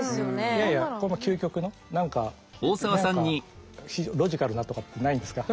いやいや究極の何か何かロジカルなとかってないんですか？